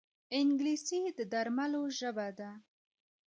انګلیسي د درملو ژبه ده